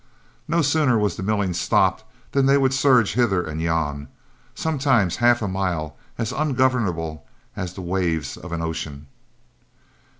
No sooner was the milling stopped than they would surge hither and yon, sometimes half a mile, as ungovernable as the waves of an ocean.